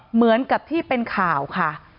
เหมือนกับที่เป็นข่าวค่ะ